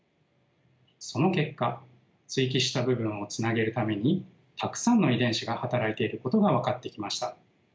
その結果接ぎ木した部分をつなげるためにたくさんの遺伝子が働いていることが分かってきました。